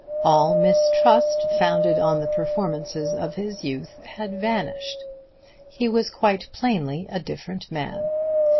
All mistrust founded on the performances of his youth had vanished. He was quite plainly a different man.